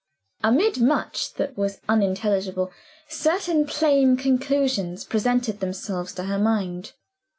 Amid much that was unintelligible, certain plain conclusions presented themselves to her mind.